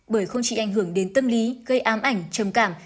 bởi không chỉ ảnh hưởng đến tâm lý gây ám ảnh trầm cảm